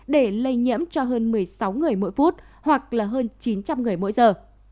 để lây nhiễm cho hơn một mươi sáu người mỗi phút hoặc là hơn chín trăm linh người mỗi giờ